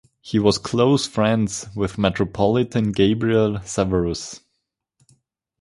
He was close friends with Metropolitan Gabriel Severus.